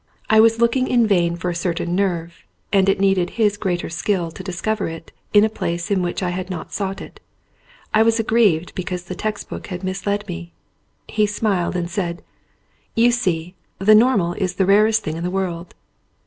I was looking in vain for a certain nerve and it needed his greater skill to discover it in a place in which I had not sought it. I was ag grieved because the text book had misled me. He smiled and said: "You see, the normal is the rarest thing in the world."